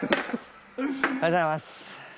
おはようございます。